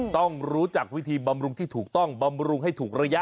ต้องรู้จักวิธีบำรุงที่ถูกต้องบำรุงให้ถูกระยะ